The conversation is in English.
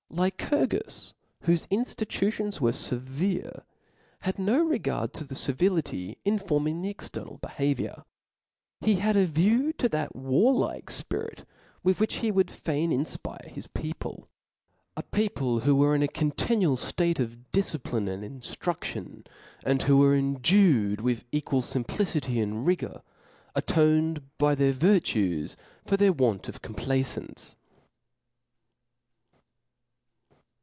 Lycurgus, whofe inftitutions were fevere, had no regard to civility, in forming the cxcernal beha viour ; he had a view to that warlike fpirit witK which he would fain infpire his people. A people who were in a continual :ftatc of difcipline and iih ftruflion. O F L A W S. 447 ftru&ion, add who were endued with equal fimpli^ Book city and rigor, atoned by their virtues, for their ^^'^• want of complaifance.